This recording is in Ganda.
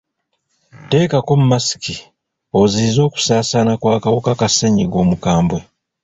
Teekako masiki oziiyize okusaasaana kw'akawuka ka ssennyiga omukambwe.